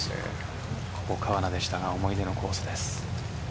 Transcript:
ここ川奈でしたが思い出のコースです。